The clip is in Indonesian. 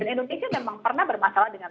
indonesia memang pernah bermasalah dengan